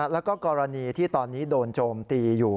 แล้วก็กรณีที่ตอนนี้โดนโจมตีอยู่